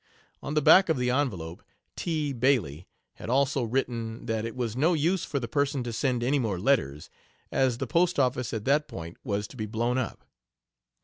On the back of the envelope "T. Bayleigh" had also written that it was "no use for the person to send any more letters, as the post office at that point was to be blown up.